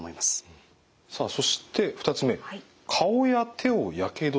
さあそして２つ目顔や手をやけどした。